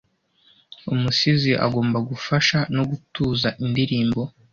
Umusizi-agomba gufasha no gutuza indirimbo.